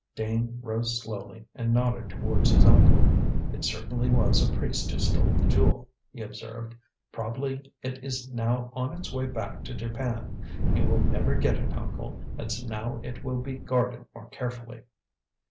Dane rose slowly, and nodded towards his uncle. "It certainly was a priest who stole the jewel," he observed. "Probably it is now on its way back to Japan. You will never get it, uncle, as now it will be guarded more carefully."